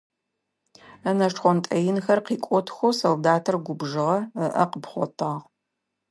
Ынэ шхъонтӏэ инхэр къикӏотхэу солдатыр губжыгъэ, ыӏэ къыпхъотагъ.